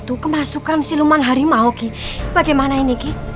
tunggu dulu jurakan